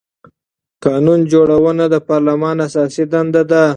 قانون جوړونه د پارلمان اساسي دنده ده